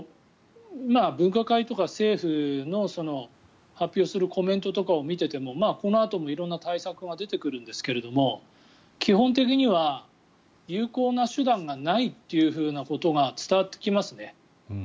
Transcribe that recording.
分科会とか政府の発表するコメントとかを見ていてもこのあとも色んな対策が出てくるんですけれども基本的には有効な手段がないっていうことが伝わってきますね。